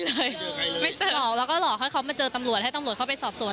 ไม่เจอใครเลยไม่เจอหลอกแล้วก็หลอกให้เขามาเจอตำรวจให้ตำรวจเข้าไปสอบสวน